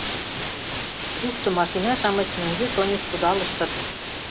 Тушто машина-шамыч мӧҥгеш-оньыш кудалыштыт.